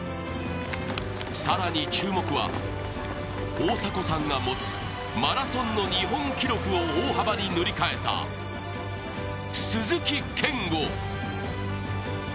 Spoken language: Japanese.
更に注目は大迫さんが持つマラソンの日本記録を大幅に塗り替えた鈴木健吾。